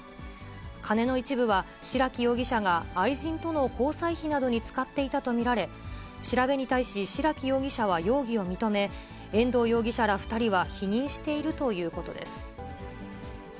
金の一部は白木容疑者が愛人との交際費などに使っていたと見られ、調べに対し白木容疑者は容疑を認め、遠藤容疑者ら２人は否認しているということです。